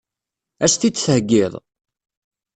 Ad as-t-id-theggiḍ?